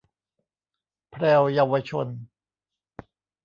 แพรวเยาวชน